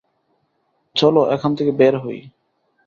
চলো, এখান থেকে বের হই!